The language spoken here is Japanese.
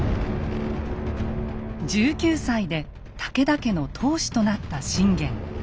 １９歳で武田家の当主となった信玄。